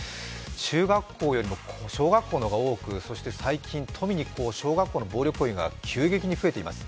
中学校より小学校の方が多く、最近とみに小学校の暴力行為が急激に増えています。